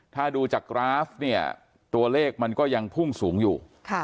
ถ้าดูจากกราฟเนี่ยตัวเลขมันก็ยังพุ่งสูงอยู่